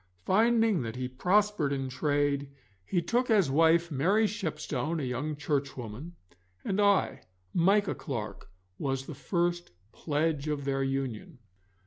Finding that he prospered in trade, he took as wife Mary Shepstone, a young Churchwoman, and I, Micah Clarke, was the first pledge of their union.